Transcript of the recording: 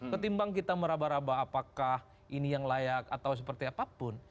ketimbang kita meraba raba apakah ini yang layak atau seperti apapun